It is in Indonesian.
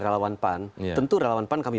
relawan pan tentu relawan pan kami